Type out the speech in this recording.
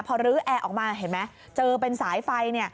พอรื้อแอร์ออกมาเห็นไหมเจอเป็นสายไฟ